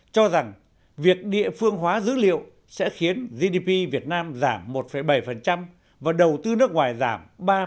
cho rằng việc địa phương hóa dữ liệu sẽ khiến gdp việt nam giảm một bảy và đầu tư nước ngoài giảm ba bốn